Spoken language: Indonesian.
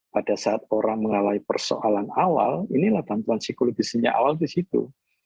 pada saat orang mengalami persoalan awal inilah bantuan psikologisnya awal di situ